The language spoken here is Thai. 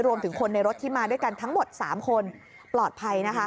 รวมถึงคนในรถที่มาด้วยกันทั้งหมด๓คนปลอดภัยนะคะ